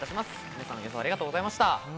皆さん予想ありがとうございました。